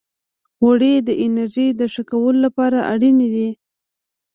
غوړې د انرژۍ د ښه کولو لپاره اړینې دي.